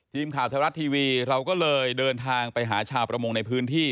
ทีมข่าวไทยรัฐทีวีเราก็เลยเดินทางไปหาชาวประมงในพื้นที่